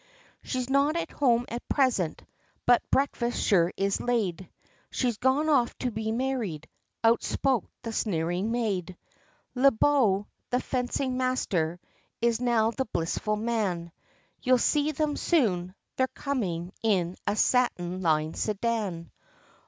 "She's not at home at present, but breakfast sure is laid, She's gone off to be married," outspoke the sneering maid; "Le Beau, the fencin' master is now the blissful man; You'll see them soon, they're comin' in a satin lined sedan."